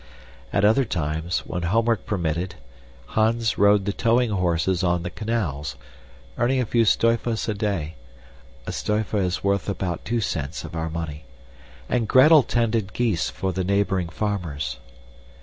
At other times, when homework permitted, Hans rode the towing horses on the canals, earning a few stivers *{A stiver is worth about two cents of our money.} a day, and Gretel tended geese for the neighboring farmers.